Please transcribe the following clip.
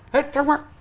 hết trong mắt